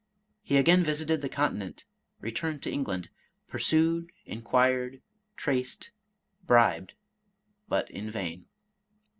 He again visited the Continent, returned to England, — pursued, inquired, traced, bribed, but in vain.